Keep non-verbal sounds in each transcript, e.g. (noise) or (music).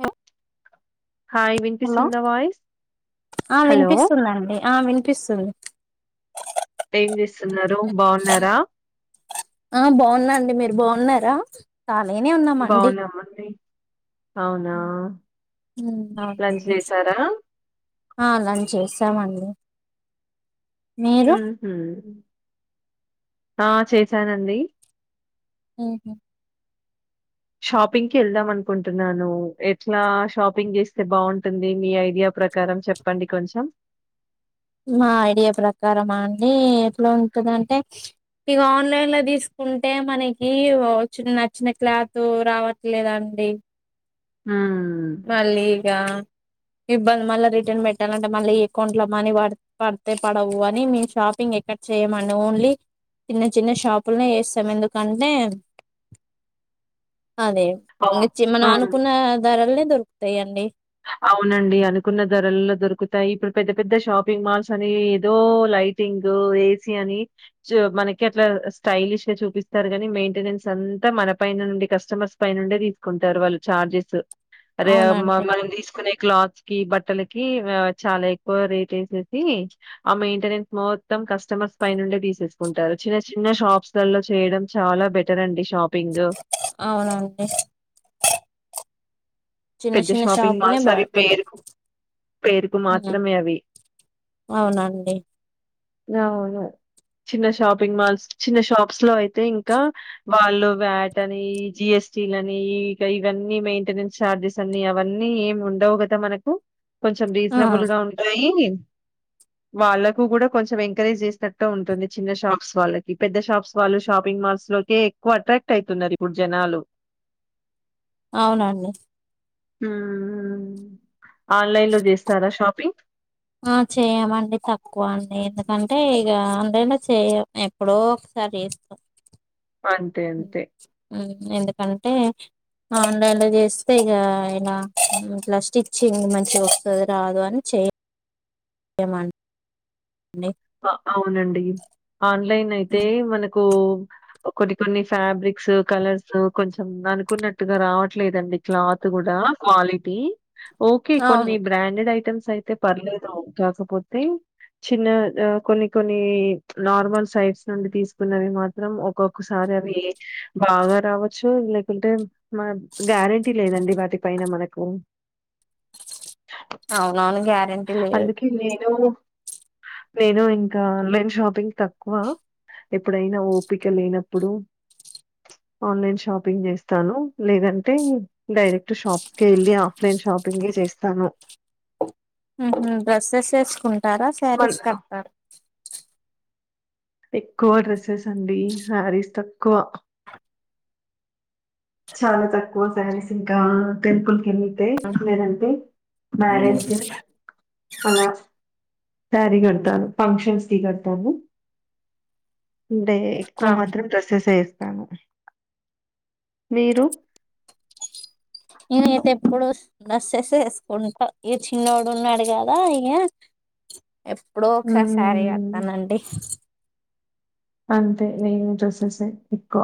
మ్. Hi విన్పిస్తుందా voice. ఆ విన్పిస్తుందండి ఆ విన్పిస్తుంది. ఏం చేస్తున్నారు? బాగున్నారా? ఆ బాన్నాండి మీర్ బాన్నారా ఆ మేమే ఉన్నామండి. బాగున్నామండి. అవునా ఉమ్ ఉమ్ లంచ్ ఔనండి. చేసారా? ఆ లంచేసామండి. మ్ హూ ఆ చేసానండి. ఊహు. షాపింగ్కి యెళ్దామనుకుంటున్నాను ఎట్లా షాపింగ్ జేస్తే బాగుంటుంది మీ ఐడియ ప్రకారం చెప్పండి కొంచెం. నా ఐడియా ప్రకారమా అండి ఎట్ల ఉంటుందంటె ఇగో ఆన్లైలొ దీస్కుంటె మనకి వాచ్ నచ్చిన క్లాతు రావట్లేదన్ డి. ఊమ్. మల్లీగ ఇబ్బంద్ మళ్ళ రిటన్ బెట్టాలంటె మళ్ళీ ఎకౌంట్లొ మనీ పడ్ పడ్తె పొడవు అని మీ షాపింగ్ ఇంగెక్కడ్ చెయ్యమండి ఓన్లీ చిన్న చిన్న షాప్లొనె జేస్తం ఎందుకంటే అదే ఇంగ చి మనమనుకున్న ధరల్నె దురుక్తయండి. ఔనండి అనుకున్న ధరల్లొ దొరుకుతాయి ఇప్పుడు పెద్ద పెద్ద షాపింగ్ మాల్సని ఏదో లై లైటింగు ఏసీ అని చు మనకి అట్ల స్టైలిష్గ చూపిస్తార్ గానీ మెయ్ంటెనెన్స్ అ అంత మన పైన నుండి కస్టమర్స్ పైనుండే దీస్కుంటారు వాళ్ళు చార్జెస్ అదే మ అవునండి మనం నె క్లాత్స్కి బట్టలకి వ చాల ఎక్కువ రేటేసేసి ఆ మెయ్ంటెనెన్స్ మో త్తం కస్టమర్స్ పైనుండి దీసేస్కుంటారు చిన చిన్న షాప్సలల్లొ చేయడం చాలా బెటరండి. ఔనండి. చిన్న పెద్ద శిన్న షాపింగ్ షాపుల్నె మాల్స్ బా అవి బెటర్ పేరుకు పేరుకు ఉమ్. మాత్రమే అవి. ఔనండి. నౌను. చిన్న షాపింగ్ మాల్స్ చిన్న షాప్స్లో అతే ఇంకా వాళ్ళు వ్యాట్ అని జిఎస్ స్టీల్ అని ఈ ఇవన్నీ మెయింటెనెన్స్ చార్జెస్ సన్నీ అవన్నీ ఏం ఉండవు గాద మనకు కొంచెం ఆ రీజెన్బుల్గా ఉంటాయి వాళ్ళకు గూడా కొంచెం ఎంకరేజ్ జేసనట్టో ఉంటుంది చిన్న షాప్స్ వాళ్ళకి పెద్ద షాప్స్ వాళ్ళు షాపింగ్ మాల్ స్లొకె ఎక్కువ అట్రాక్ట్ అయ్తున్నారిప్పుడు జనాలు. ఔనండి. ఊమ్ ఆన్లైన్ లొ జేస్తారా షాపింగ్. ఆ చెయ్యమండి తక్కువ అండి ఎందుకంటే ఇగా ఆన్లైన్లొ చెయ్యం ఎప్పుడో (unintelligible) జేస్తం. అంతే అంతే ఎందుకంటే ఆన్లైన్ లో చేస్తే ఇక అయినా ఇట్లా స్టిచ్చింగ్ మంచి వస్తది రాదు అని చేయ ఏమె అ అవునండి ఆన్లైన్ అయితే మనకూ కొన్ని కొన్ని ఫ్యాబ్రిక్స్ కలర్స్ కొంచెం అనుకున్నట్టుగా రావట్లేదండి క్లాత్ కుడా క్వాలిటీ ఒకే కొన్ని అవును బ్రాండెడ్ ఐటమ్స్ అయితే పర్లేదు కాకపోతే చిన్న ఆ కొన్ని కొన్ని నార్మల్ సైడ్స్ నుండి తీసుకున్నవి మాత్రం ఒక్కొక్కసారి అవి బాగా రావచ్చు లేకుంటే మా గ్యారెంటీ లేదండి వాటి పైన మనకు అవునవును గ్యారెంటీ లేదు అందుకె నేనూ నేను ఇంకా ఆన్లైన్ షాపింగ్ తక్కువ ఎప్పుడైన ఓపిక లేనప్పుడు ఆన్లైన్ షాపింగ్ చేస్తాను లేదంటే డైరెక్ట్ షాప్స్ కే వెళ్ళి ఆఫ్లైన్ షాపింగ్ చేస్ చేస్తాము డ్రెస్సెస్ వేసుకుంటారా మన్ శారీస్ కడ్తారా ఎక్కువ డ్రెస్సెస్ అండీ శారీస్ తక్కువ చాలా తక్కువ సారీస్ ఇంకా టెంపుల్ ఇంతే లేదంటే మ్యారేజ్ డే అలా సారీ కడతాను ఫంక్షన్స్ కీ కడతాను అంటే ఎక్కువ మాత్రం డ్రెస్సెస్ వేస్తాను మీరు నేనైతే ఎప్పుడు డ్రెస్సెస్ వేసుకుంటా ఈ చిన్నోడు ఉన్నాడు కదా ఇక ఎప్పుడో ఒక్సారి శారీ హ్మ్. కడతానండి అంతే నేను డ్రెస్సెస్సు ఎక్కువ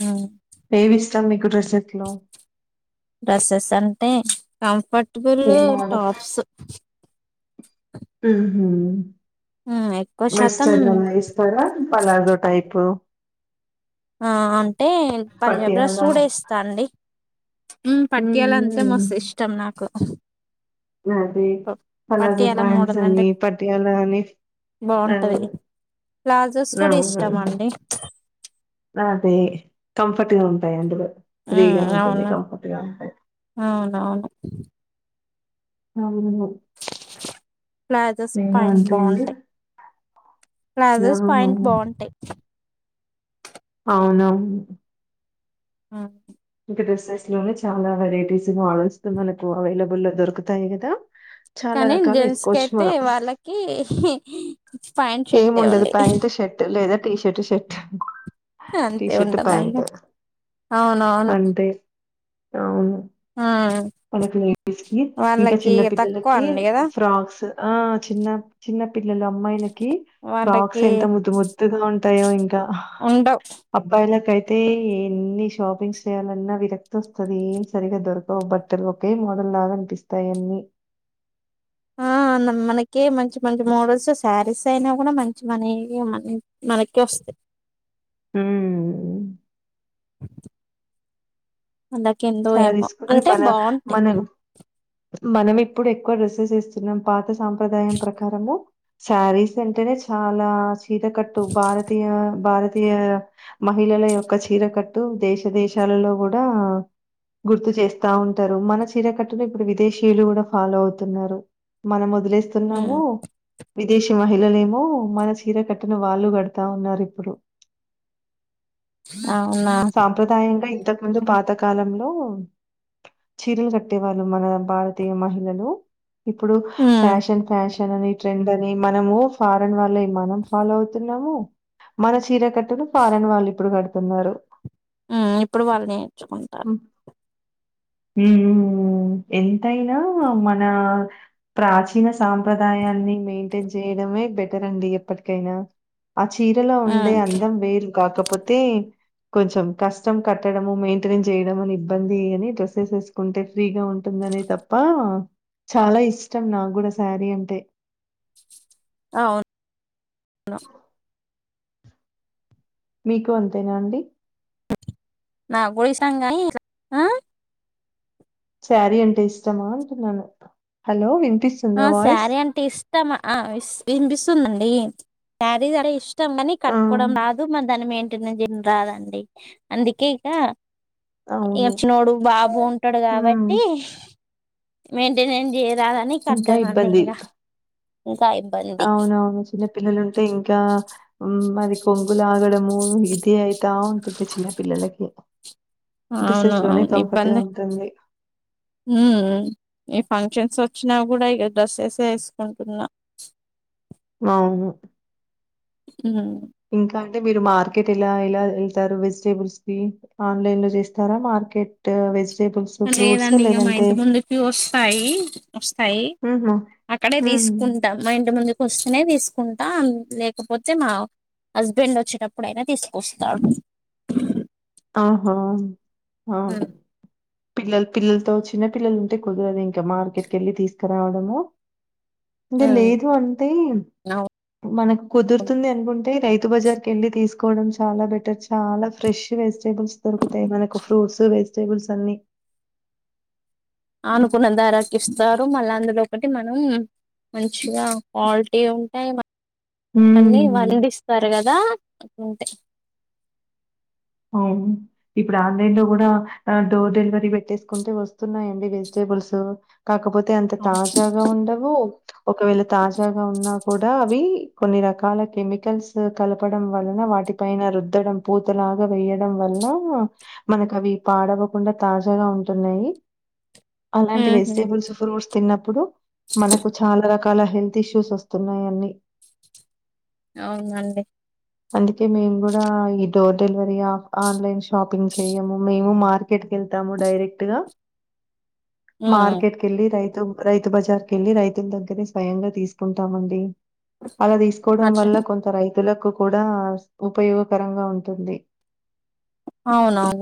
వు ఏవి ఇష్టం నీకు డ్రెస్ ఎక్కువ డ్రెస్సెస్ అంటే కంఫర్టబుళ్ళు ఏం టాప్స్ హుహూ ఎక్కువ మస్త్ శాతం ఏమన్న ఇస్తార పలార్ గొ అయిపో ఆ అంటే పంజాబ్ డ్రెస్గూడా ఎస్తా అండి ఉమ్ పట్యాల అంటే మస్తు ఇష్టం నాకు తే అలా ప్లాజోస్ పట్యాల ప్యాంట్స్ అని పట్యాల అని ఆ బావుంటది ప్లాజోస్ కూడా ఇష్టం అండి లాంటే కంఫర్ట్ గా ఉంటాయి అందులో ఉమ్ ఫ్రీగా ఉంటుంది అవును కంఫర్ట్గా ఉంటాది అవునవును అవును ప్లాజోస్ నేను పాంట్ అంతే అండి బావుంటయ్ ఆ ప్లాజోస్ పాంట్ బాఉంటయ్ ఔను అ డ్రెస్సెస్ లోనే చాలా వెరైటీస్ మోడల్ స్తునక్ అవైలబుల్ లో దొరుకుతాయి కదా చాలా కానీ రకాల్ ఎస్ జెంట్స్ కి కోచ్చు అయితే మనం వాళ్ళకి ప్యాంట్ షర్టే ఏముండదు ఉంది ప్యాంటు షర్టు లేదా టీ షర్ట్ షర్ట్ అంతే టీషర్ట్ ప్యాంట్ ఉంటదండి అవునవును అంటే అవును ఉమ్ వాళ్నకి లేడీస్కి ఇంకా వాళ్ళకి చిన్న తక్కువ పిల్లలకి అండి కదా ఫ్రాక్స్ ఆ చిన్న చిన్న పిల్లల అమ్మాయిలక్ కి బాక్స్ వాళ్ళకి ఎంత ముద్దు ముద్దుగా ఉంటాయి అంట ఉండవు అబ్బాయిలాకి అయ్ తే ఎన్ని షాపింగ్స్ చేయాలన్నా విరక్ తోస్తది ఈ ఏం సరిగ దొరకవ్ బద్ టెల్ ఒకే మోడల్ గా అనిపిస్తయి అన్ని మానమ్ మనకె మంచ్ మంచ్ మోడల్స్ సారీస్ అయినా కూడా మంచివనే ఇగ మనీ మనకె వోస్తయి ఉమ్ వాళ్ళకేందో ఏమో సారీస్ కుడ అంటే మన బాగుంటాయి మనమ్ మనం ఇప్పుడ్ ఎక్కు డ్రెస్సెస్ ఎస్తున్నాం పాత సాంప్రదాయం ప్రకారంగా సారీస్ అంటేనే చాలా చీరాకట్టు భారతీయ ఆ భారతీయ అ మహిళల యొక్క చీరకట్టు దేశ దేశాలలో గుడా గుర్తు చేస్తా ఉంటరు మన చీరకట్టును ఇపుడు విదేశీయులు గుడా ఫాలో అవ్ తున్నారు మనమ్ వద్ ఉమ్ లేస్తున్నాము విదేశీ మహిళలు ఏమో మన చీర కట్టును వాళ్ళు కడతా ఉన్నారు ఇపుర్ అవునా సాంప్రదాయంగా ఇంతక్ ముందు పాతకాలమే లో చీరలు కట్టే వాళ్ళు మన భారతీయ మహిళలు ఇప్పుడు ఉమ్ ఫ్యాషన్ ఫ్యాషన్ అని ట్రెండ్ అని మనము ఫారన్ వాళ్ళయి మనం ఫాలో అవ్ తున్నము మన చీర కట్ టును ఫారన్ వాళ్ళు ఇప్పుడు కడతున్నారు ఉమ్ ఇప్పుడు వాళ్ళు నేర్ చుకుంటారు ఊహుహు హ్ హ్మ్ ఎంతైనా మన ప్రాచీన సాంప్రదాయాన్ని మెయింటేన్ జేయ్ డం అవ్ వే బెటరండి ఎప్పట్ కైనా ఆ చీరలో ఉండే ఉమ్ అందం వేరు కాకపోతే కొంచెం కష్టం కట్టడము మెయింటనేంన్స్ జేయడం అనే ఇబ్బంది అని డ్రెస్సెస్ ఎస్ కుంటే ఫ్రీగా ఉంటుందనే తప్ప చాలా ఇష్టం నాగుడా సారీ అంటే ఔన్ నా మీకు అంతేనా అండి నాగూడ ఇష్టం గాని ఈ ఇట్ల ఆ శారీ అంటే ఇష్టమా అంటున్నాను హలో విన్ ఆ స్యరీ అంటే ఇష్ట మ ఆ ఇస్ ఇన్ బిస్తుందండి ట్యా రీజ్ అటె ఇష్ టమ్ అని ఆ! కట్టుకోడం రాదు మన్ దాన్ మెయింటెనేంస్ జరిన్ రాదండి అందుకే ఇక ఇగ అవును. మ్ చినోడు బాబు ఉంటడు హ్మ్. గాబట్టి మెయింటెనెన్ జేయ్ రాద అ టుంకా ఇబ్బంది ఇంకా ఇబ్బంది ఔనవును చిన్న పిల్లలు ఉంటే ఇంట్ల ఆ మరి కొంగు లాగడము ఇది అయిత ఉంటద్ చిన్న పిల్లలకి ఔను డ్రెసెస్‌లోనే ఔన్ కంఫర్ట్‌గా ఇబ్బంది ఉంటుంది. హ్మ్మ్ ఈ ఫంక్షన్స్ సో త్ చునా గూడా ఇగ డ్రసేసేసే ఎస్ కుంటున్ నా ఔను హ్మ్ ఇంకా అంటే మీరు మార్ కెట్ ఎలా ఎలా ఎల్ తరు వెజ్ టేబుల్స్ కి ఆన్ లైన్ లో జేస్తారా మార్ అ కేట్టు వెజ్ లేదండి ఇగ మా ఇంట్ ముందుకి ఓస్తాయి వస్తయి హుహు. అక్కడే ది స్ హ్మ్. కుంటాం మా ఇంట ముందు ఓసన్నే తీస్ కుంటా లేకపోతే మా హస్బెండ్ వచ్చేటప్పుడు అయినా తీసుకొస్తాడు. ఆహా ఆ హ్మ్. పిల్లల్ పిల్లలతో చిన్న పిల్లలు ఉంటే కుదరదు. ఇంకా మార్కెట్ కి వెళ్ళి తీసుకురావడము. ఊడే హ్మ్. లేదు అంతే మ్ అవు మన క్ కుదుర్ తుంది అన్ కుంటే రైతు బజార్ కెల్లీ తీస్ కోడం చాల బెటర్ చాలా ఫ్రెష్ వెజ్ టేబుల్స్ దొరుకుతయ్ మనకు ఫ్రూట్స్ వెజ్ టేబుల్స్ అన్ని అనుకున్న ధరకిస్తారు మల్లా అందులో ఒకటి మనం మంచిగా కాల్టీ ఉంటాయి అన్నీ హ్మ్. వండిస్తారు కదా ఉంటే ఔను ఇప్పుడాన్లైన్లో గూడా ఆ డోర్ డెలివరీ బెట్టేస్కుంటే వ వొస్తున్నాయండి. వెజిటేబుల్ స్ కాకపోతే అంత తాజాగా ఉండవు ఒకవేళ తాజాగా ఉన్నా కూడా అవీ కొన్ని రకాల కెమికల్స్ కలపడం వలన వాటి పైన రుద్దడం పోతలా వెయ్యడం వల్లా మనకవి పాడవ్వకుండా తాజాగా ఉంటున్నాయి. అలాంటి హుహు. వెజిటేబుల్స్ ఫ్రూట్స్ తిన్నప్పుడు మనకు చాలా రకాల హెల్త్ ఇష్యూస్ ఒస్తున్నాయి అన్నీ. ఔనండి అందుకే మేం గుడా ఈ డోర్ డెలివరీ అ ఆన్లైన్ షాపింగ్ చేయ్యము మేము మార్క్ ర్కెటికెళ్తాము డైరెక్ట్ గా హ్మ్. మార్కెట్కెల్లి రైత్ రైతు బజార్కెళ్ళి రైతుల దగ్గరె స్వయంగా తీసుకుంటామండి. అలా తీసుకోవడం అట్లా వల్ల కొంత రైతులకు కూడా ఉపయోగకరంగా ఉంటు టుంది ఔనౌను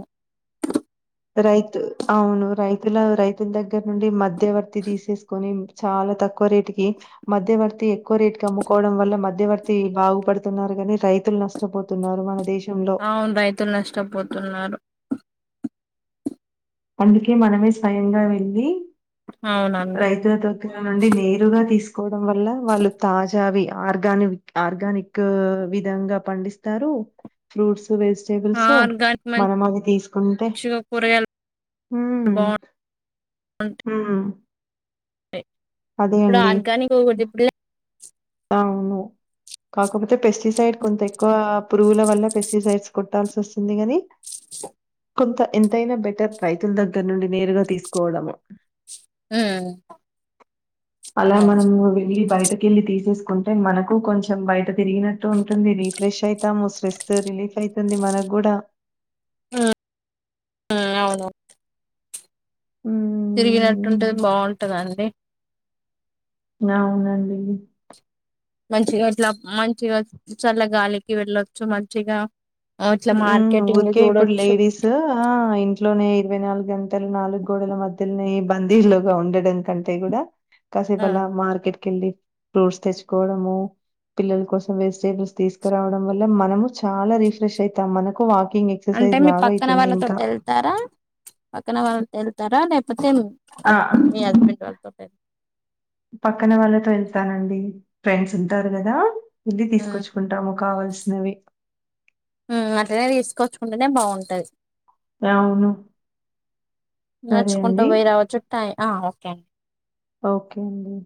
రైతు ఔను రైతుల రైతుల్ దగ్గర నుండి మధ్యవర్తి దీసేస్కొని చాలా తక్కువ రేటికి మధ్యవర్తి ఎక్కువ రేటికి అమ్ముకోవడం వల్ల మధ్యవర్తి బాగుపడుతున్నారు. కని రైతులు నష్టపోతున్నారు మన దేశం ఔన్ రైతులు నష్టపోతున్నారు అందుకే మనమే స్వయంగా వెళ్ళీ అవునండి రైతుల దగ్గర నుండి నేరుగా తీసుకోవడం వల్ల వాళ్ళు తాజావి ఆర్గానివ్క్ ఆర్గానిక్ విధంగా పండిస్తారు. ఫ్రూట్స్ వెజిటేబుల్స్ ఆర్గానిక్ మనం అవి తీస్కుంటే మంచిగా కూరగాయలు హ్మ్ ఉమ్ ఇప్పుడ ఆర్గానిక్ వేటబ్లె ఔను కాకపోతే పెస్టిసైడ్ కొంత ఎక్కువగా పురుగుల వల్ల పెస్టిసైడ్స్ కొట్టాల్సొస్తుంది గని కొంత ఎంతైనా బెటర్ రైతుల దగ్గర నుండి నేరుగా తీసుకోవడము ఉమ్, అలా అవును మనము వెళ్ళి బయటకెళ్ళి తీస్క్ తీసుకుంటే మనకు కొంచెం బయట తిరిగినట్టు ఉంటుంది. రిఫ్రెష్ ఐతాము స్ట్రెస్ రిలీఫ్ ఐతుంది. మన గుడా ఆ అవును తిరిగినట్టుంటది మ్మ్ బావుంటదండి. ఔనండి మంచిగా ఇట్లా మంచిగా చల్ల గాలికి వెళ్ళొచ్చు మంచిగా ఆ, ఇట్లా ఉమ్ మార్కెటింగ్ ఊర్కే ఇప్పుడ్ చూడొచ్చు లేడీస్ ఆ ఇంట్లోనే ఇరవై నాలుగంటల్ నాలుగ్గోడల మధ్య మధ్యల్లే ఈ బందీల్లొగా ఉండడం కంటే కూడా ఆ, కసేపలా మార్కెట్ కెళ్ళి ఫ్రూట్స్ తెచ్చుకోవడము పిల్లల్కోసం వెజిటేబుల్స్ తీసుకురావడం వల్ల మనము చాలా రిఫ్రెష్ ఐతాం మనకు వాకీ అంటే మీ పక్కన వాళ్ళతోటేళ్తారా పక్కన వాళ్తో ఎళ్తారా లేప్ అంతేం ఆ! మీ హస్బెండ్ వాళ్తోటెల్తా పక్కన వాళ్ళతో ఎళ్తానండి ఫ్రెండ్స్ ఉంటారు కదా వెళ్ళి ఉమ్, తీస్కోచ్చుకుంటము కావల్సినవి మ్ అట్టనే తీస్కోచ్చుకుంటనే బావుంటయి అవును. సరే నడ్చుకుంట అండి. పోయి రావొచ్చు టై ఆ ఆఫ్ తం ఒకే అండి